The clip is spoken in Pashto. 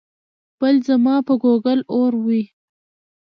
بل ځما په ګوګل اور وي